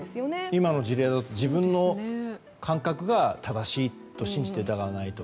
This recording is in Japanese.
今の事例だと自分の感覚が正しいと信じて疑わないと。